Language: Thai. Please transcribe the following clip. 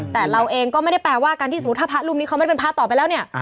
แต่เราเองก็ไม่ได้แปลว่าการที่สมมุติถ้าพระรูปนี้เขาไม่เป็นพระต่อไปแล้วเนี่ย